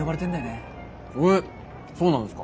えっそうなんですか。